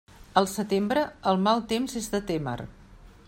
Al setembre, el mal temps és de témer.